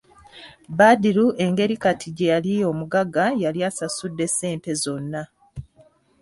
Badru engeri kati gye yali omugagga yali asasudde ssente zonna.